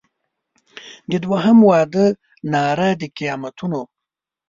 د دوهم واده ناره د قیامتونو